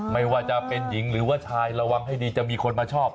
ไม่ว่าจะเป็นหญิงหรือว่าชายระวังให้ดีจะมีคนมาชอบ